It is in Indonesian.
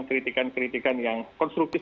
kritikan kritikan yang konstruktif